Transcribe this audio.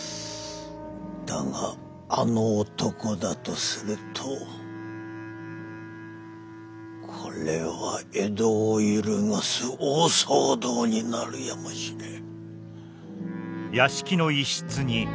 だがあの男だとするとこれは江戸を揺るがす大騒動になるやもしれん。